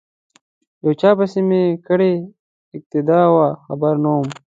یو چا پسې می کړې اقتدا وه خبر نه وم